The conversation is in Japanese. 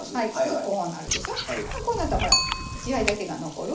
こうなったらほら血合いだけが残る。